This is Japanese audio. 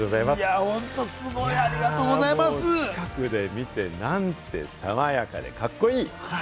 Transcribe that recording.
近くで見て、なんて爽やかでカッコいい！